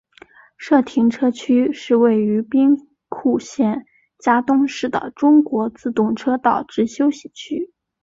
社停车区是位于兵库县加东市的中国自动车道之休息区。